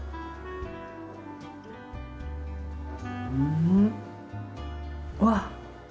んうわっ。